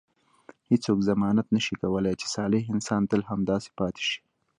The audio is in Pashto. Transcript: هیڅوک ضمانت نه شي کولای چې صالح انسان تل همداسې پاتې شي.